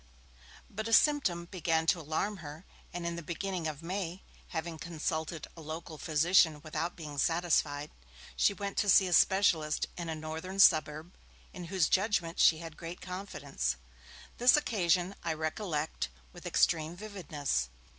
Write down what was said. But a symptom began to alarm her, and in the beginning of May, having consulted a local physician without being satisfied, she went to see a specialist in a northern suburb in whose judgement she had great confidence. This occasion I recollect with extreme vividness.